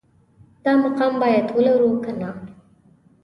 دا مقام باید ولرو که نه